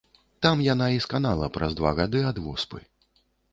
Там яна і сканала праз два гады ад воспы.